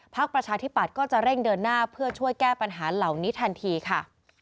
ประชาธิปัตย์ก็จะเร่งเดินหน้าเพื่อช่วยแก้ปัญหาเหล่านี้ทันทีค่ะ